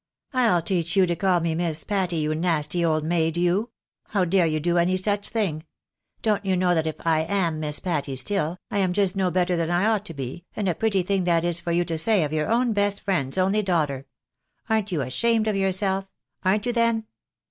" I'll teach you to call me Miss Patty, you nasty old maid, you ! How dare you do any such thing ? Don't you know that if I am •Miss Patty still, I am just no better than I ought to be, and a .pretty thing that is for you to say of your own best friend's only daughter. Arn't you ashamed of yourself — arn't you then